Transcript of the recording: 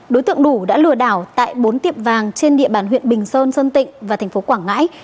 đối tượng đủ đã lừa đảo tại bốn tiệm vàng trên địa bàn huyện bình sơn sơn tịnh và thành phố quảng ngãi